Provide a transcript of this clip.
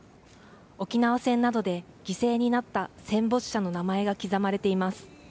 沖縄戦などで犠牲になった戦没者の名前が刻まれています。